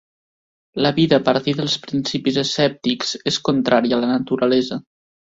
La vida a partir dels principis escèptics és contrària a la naturalesa.